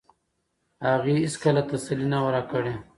هغې هیڅکله تسلي نه وه راکړې.